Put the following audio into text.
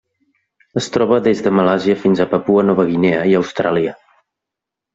Es troba des de Malàisia fins a Papua Nova Guinea i Austràlia.